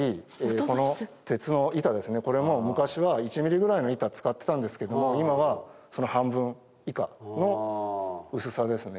この鉄の板ですねこれも昔は１ｍｍぐらいの板使ってたんですけども今はその半分以下の薄さですね。